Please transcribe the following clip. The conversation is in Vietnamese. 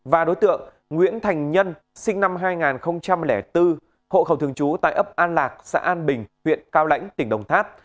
và đối tượng nguyễn thành nhân sinh năm hai nghìn bốn hộ khẩu thường trú tại ấp an lạc xã an bình huyện cao lãnh tỉnh đồng tháp